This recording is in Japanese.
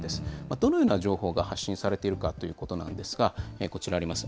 どのような情報が発信されているかということなんですが、こちらあります。